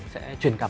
sẽ truyền cảm